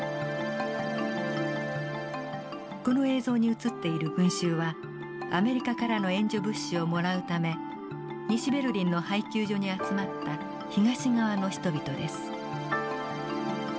この映像に映っている群衆はアメリカからの援助物資をもらうため西ベルリンの配給所に集まった東側の人々です。